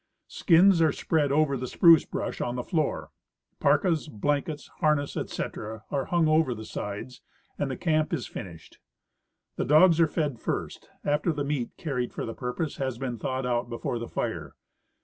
Skins are spread over the spruce brush on the floor, parkas, blankets, harness, etc, are hung over the sides, and the camp is finished. The dogs are fed first, after the meat carried for the purpose has been thawed out before the fire.